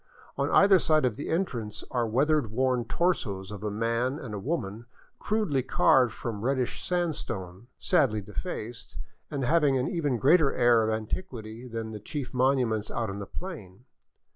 On either side of the entrance are the weather worn torsos of a man and a woman, crudely carved from reddish sandstone, sadly defaced, and having an even greater air of antiquity than the chief monuments out on the plain.